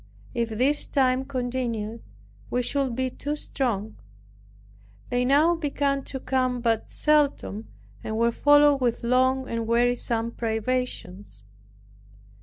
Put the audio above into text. If these times continued, we should be too strong. They now began to come but seldom and were followed with long and wearisome privations.